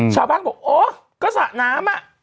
ชาวพักก็สระน้ำอ่ะ